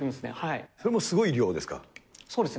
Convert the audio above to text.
それもすごい量ですか？